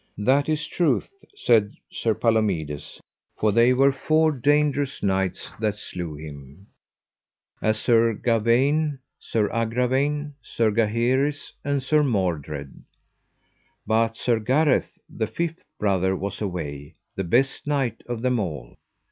That is truth, said Sir Palomides, for they were four dangerous knights that slew him, as Sir Gawaine, Sir Agravaine, Sir Gaheris, and Sir Mordred, but Sir Gareth, the fifth brother was away, the best knight of them all.